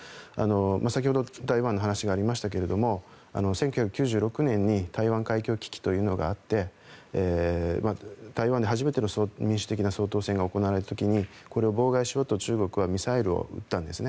先ほど台湾の話がありましたが１９９６年に台湾海峡危機というのがあって台湾で初めての民主的な総統選が行われた時にこれを妨害しようと中国はミサイルを撃ったんですね。